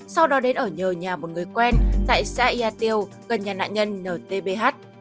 sau đó đến ở nhờ nhà một người quen tại xã yà tiêu gần nhà nạn nhân ntbh